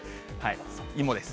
芋です。